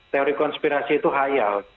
teori konspirasi itu hayal